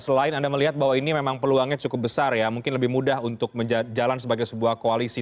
selain anda melihat bahwa ini memang peluangnya cukup besar ya mungkin lebih mudah untuk jalan sebagai sebuah koalisi